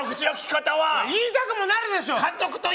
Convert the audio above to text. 言いたくもなるでしょ！